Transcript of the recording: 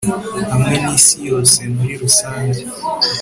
hamwe n'isi yose muri rusange